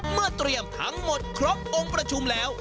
เมื่อเตรียมทั้งหมดครบองค์ประชุมแล้ว